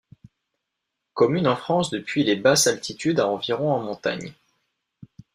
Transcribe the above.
Commune en France depuis les basses altitudes à environ en montagne.